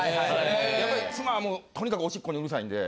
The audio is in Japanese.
やっぱり妻はもうとにかくおしっこにうるさいんで。